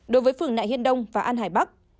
đối với phường nại hiên đông và an hải bắc